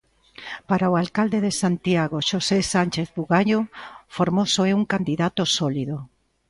Para o alcalde de Santiago, Xosé Sánchez Bugallo, Formoso é un candidato sólido.